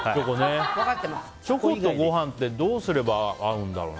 チョコとご飯ってどうすれば合うんだろうな。